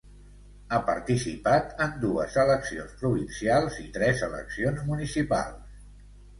Ha participat en dues eleccions provincials i tres eleccions municipals.